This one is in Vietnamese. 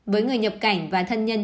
với người nhập cảnh và thân nhân